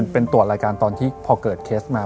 เป็นตรวจรายการตอนที่พอเกิดเคสมา